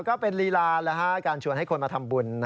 ก็เป็นลีลาการชวนให้คนมาทำบุญ